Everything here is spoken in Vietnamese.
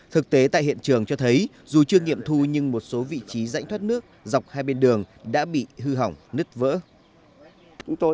thực tế tại hiện trường cho thấy dù chưa nghiệm thu nhưng một số vị trí rãnh thoát nước dọc hai bên đường đã bị hư hỏng nứt vỡ